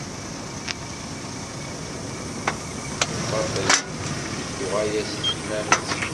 Lbaṭel, tuɣal-as tekmamt.